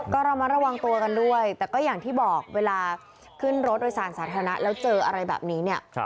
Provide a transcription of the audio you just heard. ก็ระมัดระวังตัวกันด้วยแต่ก็อย่างที่บอกเวลาขึ้นรถโดยสารสาธารณะแล้วเจออะไรแบบนี้เนี่ย